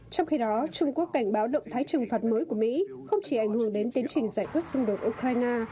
trong khi đó trung quốc cảnh báo động thái trừng phạt mới của mỹ không chỉ ảnh hưởng đến tiến trình giải quyết xung đột ukraine